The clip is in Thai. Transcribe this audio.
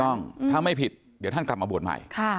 ต้องถ้าไม่ผิดเดี๋ยวท่านกลับมาบวชใหม่